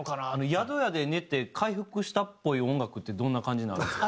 宿屋で寝て回復したっぽい音楽ってどんな感じになるんですか？